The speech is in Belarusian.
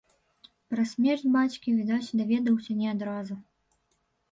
Пра смерць бацькі, відаць, даведаўся не адразу.